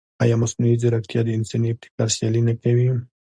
ایا مصنوعي ځیرکتیا د انساني ابتکار سیالي نه کوي؟